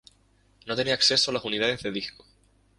No tenía acceso a las unidades de disco.